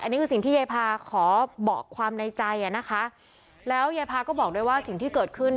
อันนี้คือสิ่งที่ยายพาขอบอกความในใจอ่ะนะคะแล้วยายพาก็บอกด้วยว่าสิ่งที่เกิดขึ้น